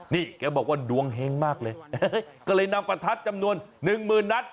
นี่แกบอกว่าดวงเฮงมากเลยก็เลยนำประทัดจำนวน๑๐๐๐๐นัด